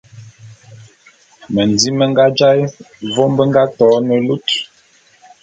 Mendim me nga jaé vôm be nga to ne lut.